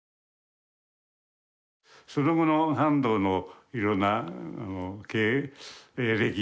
その後の半藤のいろんな経歴